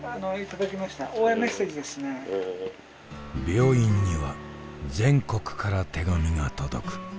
病院には全国から手紙が届く。